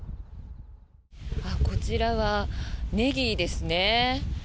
こちらはネギですね。